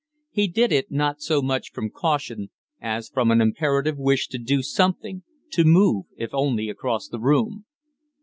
He did it, not so much from caution, as from an imperative wish to do something, to move, if only across the room.